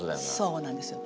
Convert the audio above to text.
そうなんですよ。